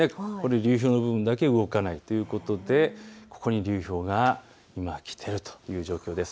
流氷の部分だけ動かないということでここに流氷が今、来ているという状況です。